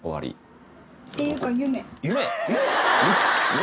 夢。